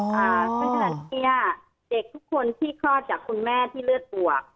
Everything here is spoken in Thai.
ซึ่งขณะนี้เด็กทุกคนที่คลอดจากคุณแม่ที่เลือดบวก